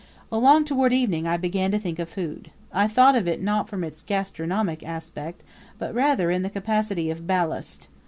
Along toward evening I began to think of food. I thought of it not from its gastronomic aspect, but rather in the capacity of ballast.